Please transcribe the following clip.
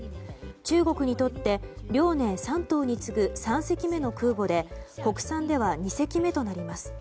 中国にとって「遼寧」、「山東」に次ぐ３隻目の空母で国産では２隻目となります。